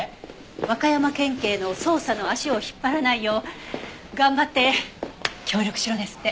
和歌山県警の捜査の足を引っ張らないよう頑張って協力しろですって。